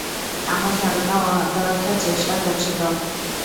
আমার ধারণা ও আত্মরক্ষার চেষ্টা করছিল।